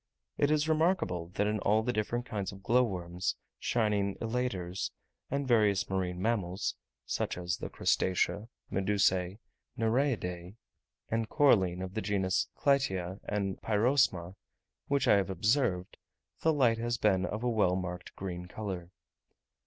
It is remarkable that in all the different kinds of glowworms, shining elaters, and various marine animals (such as the crustacea, medusae, nereidae, a coralline of the genus Clytia, and Pyrosma), which I have observed, the light has been of a well marked green colour.